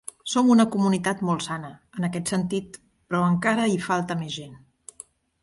Som una comunitat molt sana, en aquest sentit, però encara hi falta més gent!